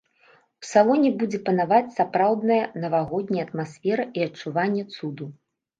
У салоне будзе панаваць сапраўдная навагодняя атмасфера і адчуванне цуду.